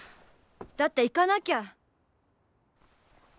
だって行かなきゃ！